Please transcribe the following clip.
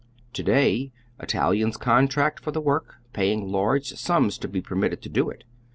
To day Italians contract for the M'ork, paying largo sums to be permitted tu do it.